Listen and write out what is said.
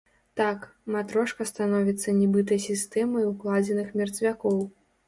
Так, матрошка становіцца нібыта сістэмай укладзеных мерцвякоў.